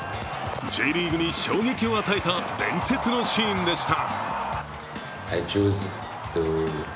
Ｊリーグに衝撃を与えた伝説のシーンでした。